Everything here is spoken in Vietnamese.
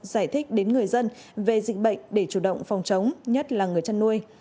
giải thích đến người dân về dịch bệnh để chủ động phòng chống nhất là người chăn nuôi